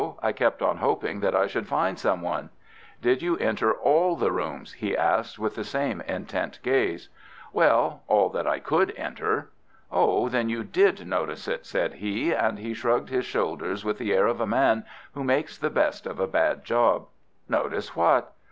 I kept on hoping that I should find someone." "Did you enter all the rooms?" he asked, with the same intent gaze. "Well, all that I could enter." "Oh, then you did notice it!" said he, and he shrugged his shoulders with the air of a man who makes the best of a bad job. "Notice what?"